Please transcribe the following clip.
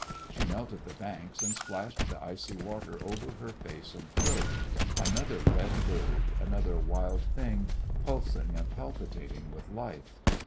She knelt at the banks and splashed the icy water over her face and throat, another red bird, another wild thing pulsing and palpitating with life.